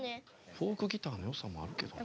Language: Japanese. フォークギターのよさもあるけどな。